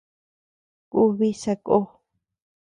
Kùbi sakó.